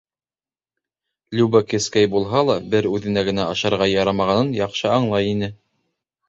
Люба, кескәй булһа ла, бер үҙенә генә ашарға ярамағанын яҡшы аңлай ине.